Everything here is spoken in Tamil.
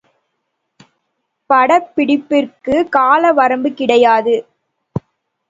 படிப்பிற்குத் கால வரம்பு கிடையாது.